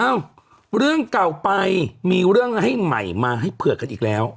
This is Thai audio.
เอ้าเรื่องเก่าไปมีเรื่องให้ใหม่มาให้เผื่อกันอีกแล้ว